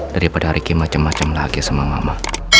daripada reki macem macem lagi sama mama